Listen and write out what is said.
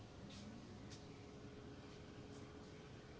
โรคชนิดนี้ก็คือสวัสดีหล่ะ